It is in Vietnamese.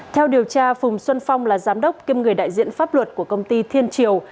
theo điều tra phùng xuân phong là giám đốc kiêm người đại diện pháp luật của công ty thiên triều